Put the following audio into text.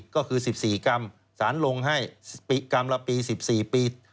ก็คือ๑๔กรัมสารลงให้กรัมละปี๑๔ปี